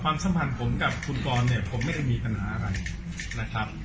สัมพันธ์ผมกับคุณกรเนี่ยผมไม่ได้มีปัญหาอะไรนะครับ